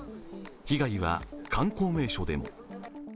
被害は観光名所でも。